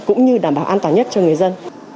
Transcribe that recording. cũng như đảm bảo an toàn nhất cho người dân